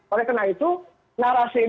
oleh karena itu narasi ini